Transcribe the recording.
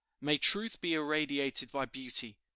May truth be irradiated by Beauty!